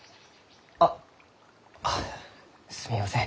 あ。ああすみません。